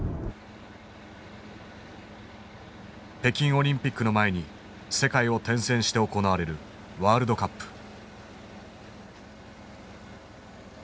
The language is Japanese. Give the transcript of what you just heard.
北京オリンピックの前に世界を転戦して行われるワールドカップ。